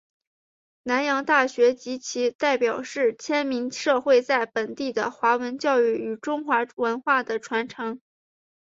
南洋大学及其所代表是迁民社会在本地的华文教育与中华文化的传承。